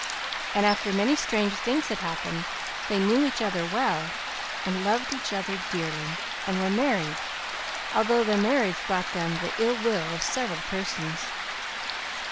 And after many strange things had happened, they knew each other well and loved each other dearly, and were married, although their marriage brought them the ill will of several persons.